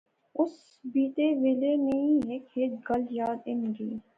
اس بیتے ویلے نی ہیک ہیک گل یاد اینی گئی